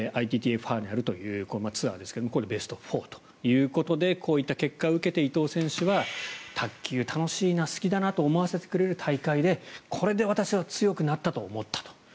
ファイナルというツアーですがこれでベスト４ということでこういった結果を受けて伊藤選手は卓球楽しいな、好きだなと思わせてくれる大会でこれで私は強くなったと思ったと。